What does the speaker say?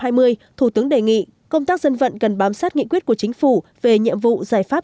năm hai nghìn hai mươi thủ tướng đề nghị công tác dân vận cần bám sát nghị quyết của chính phủ về nhiệm vụ giải pháp